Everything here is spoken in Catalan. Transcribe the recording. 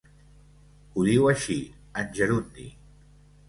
Ho diu així, en gerundi.